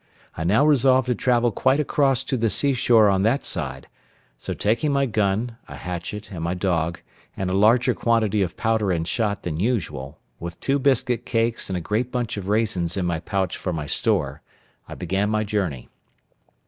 I now resolved to travel quite across to the sea shore on that side; so, taking my gun, a hatchet, and my dog, and a larger quantity of powder and shot than usual, with two biscuit cakes and a great bunch of raisins in my pouch for my store, I began my journey.